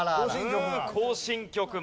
行進曲が。